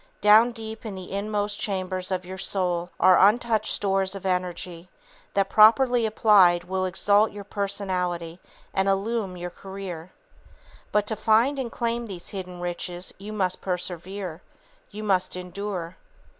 Down deep in the inmost chambers of your soul are untouched stores of energy that properly applied will exalt your personality and illumine your career. But to find and claim these hidden riches you must persevere. You must endure.